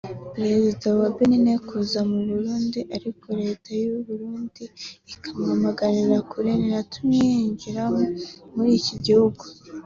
Perezida wa Benin kuza mu Burundi ariko Leta y’Uburundi ikamwamaganira kure ntinatume yinjira muri iki gihugu